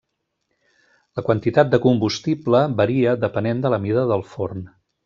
La quantitat de combustible varia depenent de la mida del forn.